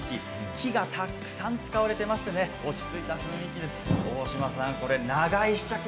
木がたくさん使われていまして、落ち着いた雰囲気です。